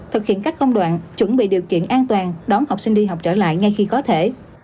thực hiện các công đoạn chuẩn bị điều kiện an toàn đón học sinh đi học trở lại ngay khi có thể